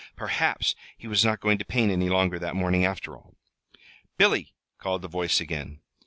Perhaps he was not going to paint any longer that morning, after all. "Billy!" called the voice again.